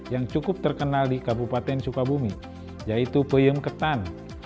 yang cukup terkenal di kabupaten sukabumi yaitu pemketan